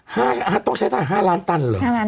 ปุ๋ยต้องใช้ตัน๕ล้านตันเหรอ